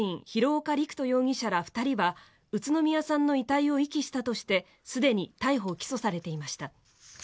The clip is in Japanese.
広岡陸斗容疑者ら２人は宇都宮さんの遺体を遺棄したとしてすでに逮捕、起訴されていました。